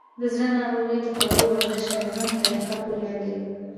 د زړه ناروغۍ د خوړو، ورزش، او ژوند طریقه پورې اړه لري.